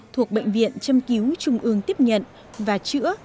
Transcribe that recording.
thuộc bệnh viện châm cứu trung ương tiếp nhận và chữa